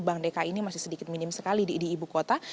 mereka ini masih sedikit minim sekali di ibu kota